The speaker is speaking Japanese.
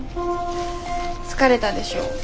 疲れたでしょ。